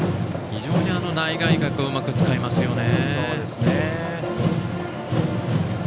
非常に内外角をうまく使いますよね。